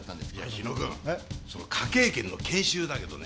日野君その科警研の研修だけどね。